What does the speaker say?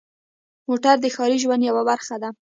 موټر د ښاري ژوند یوه برخه ده.